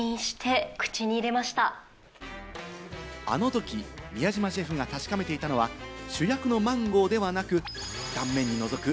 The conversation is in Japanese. あのとき、宮島シェフが確かめていたのは主役のマンゴーではなく、断面にのぞく